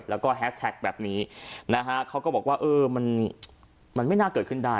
แล้วก็แฮสแท็กแบบนี้นะฮะเขาก็บอกว่าเออมันมันไม่น่าเกิดขึ้นได้